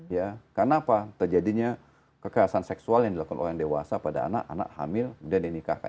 karena apa terjadinya kekerasan seksual yang dilakukan orang dewasa pada anak anak hamil dan yang nikahkan